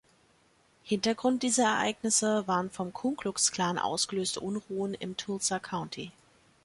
Hintergrund dieser Ereignisse waren vom Ku-Klux-Klan ausgelöste Unruhen im Tulsa County.